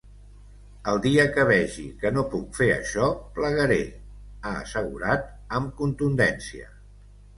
El dia que vegi que no puc fer això, plegaré, ha assegurat amb contundència.